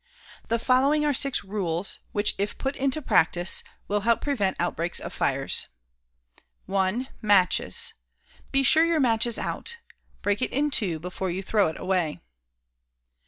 The following are six rules which, if put in practice, will help prevent outbreaks of fires: 1. Matches. Be sure your match is out. Break it in two before you throw it away.